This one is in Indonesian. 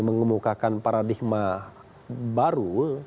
mengemukakan paradigma baru